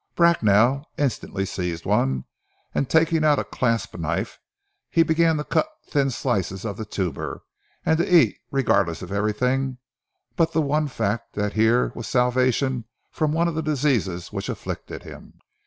Bracknell instantly seized one, and taking out a clasp knife began to cut thin slices of the tuber, and to eat regardless of everything but the one fact that here was salvation from one of the diseases which afflicted him.